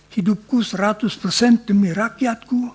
hidupku seratus persen demi rakyatku